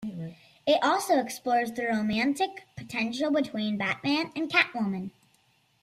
It also explores the romantic potential between Batman and Catwoman.